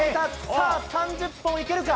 さあ、３０本いけるか？